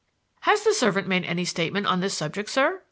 "Has the servant made any statement on this subject, sir?"